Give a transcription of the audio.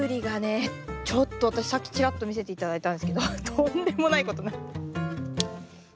ちょっと私さっきちらっと見せて頂いたんですけどとんでもないことに。